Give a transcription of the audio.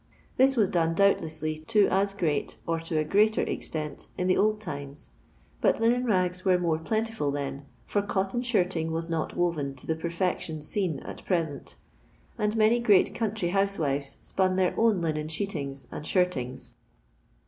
This was done doubtlessly to as ireaty or to a greater extent, in the old times, but Unen ragi were more plentiful then, for cotton ahirting was not woven to the perfection seen at present, and many good country housewives spun their own linen sheetings and shirtings.